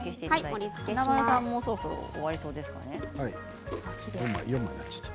華丸さんそろそろ終わりそうですね。